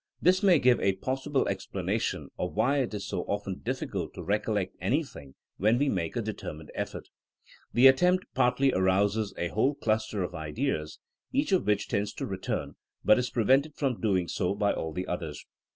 This may give a possible explanation of why it is so often difficult to recollect anything when we make a determined effort. The attempt partly arouses a whole cluster of ideas, each of which tends to return, but is prevented from doing so by all the others.